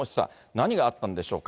何があったんでしょうか。